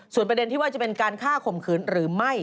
ส่วนประเด็นที่ว่าจะเป็นการฆ่าข่มขืนหรือไม่